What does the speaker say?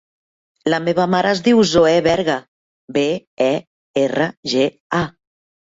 La meva mare es diu Zoè Berga: be, e, erra, ge, a.